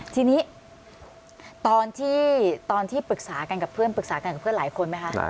ทีนี้ตอนที่ปรึกษากันกับเพื่อนปรึกษากันกับเพื่อนหลายคนไหมคะ